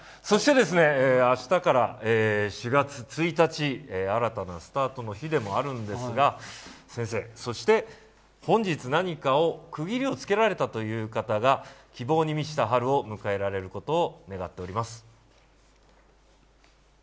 そして、あしたから４月１日、新たなスタートの日でもあるんですが先生、そして本日何かを区切りをつけられたという方が希望に満ちた春を迎えられることを願っております。